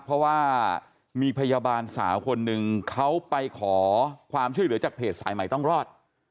เพราะว่ามีพยาบาลสาวคนหนึ่งเขาไปขอความช่วยเหลือจากเพจสายใหม่ต้องรอด